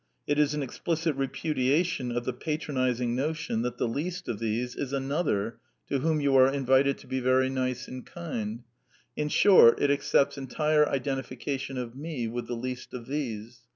It is an explicit repudiation of the patronizing notion that " the least of these " is another to whom you are invited to be very nice and kind : in short, it accepts entire identification of " me " with " the least of these."